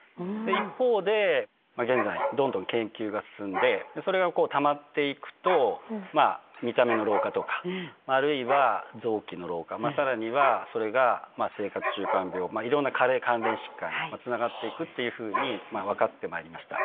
一方で、現在、どんどん研究が進んで、それがたまっていくと、見た目の老化とか、あるいは、臓器の老化、さらにはそれが生活習慣病、いろんな加齢関連疾患につながっていくっていうふうに分かってまいりました。